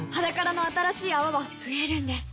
「ｈａｄａｋａｒａ」の新しい泡は増えるんです